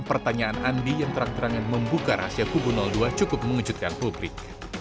pertanyaan andi yang terang terangan membuka rahasia kubu dua cukup mengejutkan publik